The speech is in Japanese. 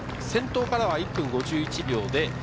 先頭からは１分５１秒。